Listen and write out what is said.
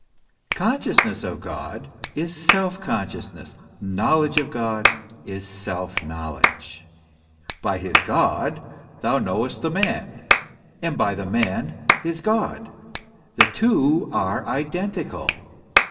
Consciousness of God is self consciousness, knowledge of God is self knowledge. By his God thou knowest the man, and by the man his God; the two are identical.